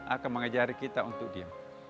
akan mengajari kita untuk dia